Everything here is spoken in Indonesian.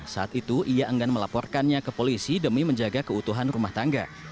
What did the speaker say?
saat itu ia enggan melaporkannya ke polisi demi menjaga keutuhan rumah tangga